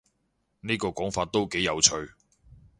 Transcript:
呢個講法都幾有趣